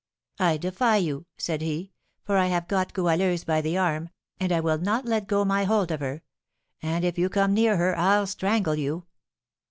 'I defy you!' said he, 'for I have got Goualeuse by the arm, and I will not let go my hold of her; and, if you come near her, I'll strangle you!'